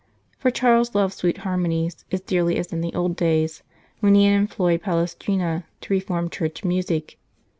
For Charles loved sweet harmonies as dearly as in the old days, when he had employed Palestrina to reform Church music.